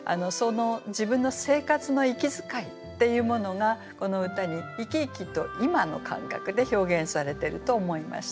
自分の生活の息遣いっていうものがこの歌に生き生きと今の感覚で表現されてると思いました。